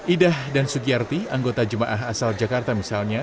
idah dan sugiyarti anggota jemaah asal jakarta misalnya